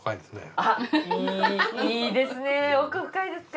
いいですね奥深いですか。